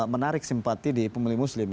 menarik simpati di pemilih muslim